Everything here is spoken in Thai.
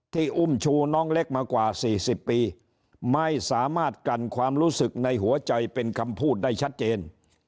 อุ้มชูน้องเล็กมากว่า๔๐ปีไม่สามารถกันความรู้สึกในหัวใจเป็นคำพูดได้ชัดเจน